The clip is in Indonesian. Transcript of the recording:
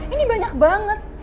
ini banyak banget